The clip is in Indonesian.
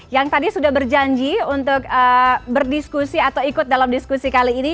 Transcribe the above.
yang tadi sudah berjanji untuk berdiskusi atau ikut dalam diskusi kali ini